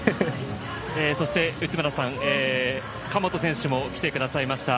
そして、内村さん神本選手も来てくださいました。